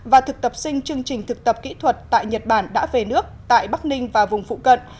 và thực tập sinh chương trình thực tập kỹ thuật tại nhật bản đã về nước tại bắc ninh và vùng phụ cận